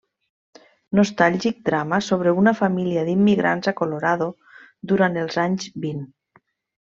Nostàlgic drama sobre una família d'immigrants a Colorado durant els anys vint.